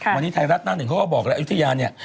วันนี้ไทยรัฐหน้าหนึ่งเขาก็บอกแล้วอายุทยาเนี่ย